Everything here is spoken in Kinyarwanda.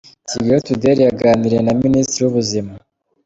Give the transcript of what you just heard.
Kigali Today yaganiriye na Minisitiri w’Ubuzima